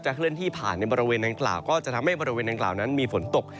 เคลื่อนที่ผ่านในบริเวณดังกล่าวก็จะทำให้บริเวณดังกล่าวนั้นมีฝนตก